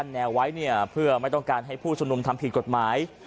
แนวไว้เนี่ยเพื่อไม่ต้องการให้ผู้ชมนุมทำผิดกฎหมาย